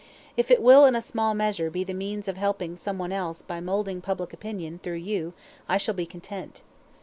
If it will, in a small measure, be the means of helping some one else by molding public opinion, through you, I shall be content.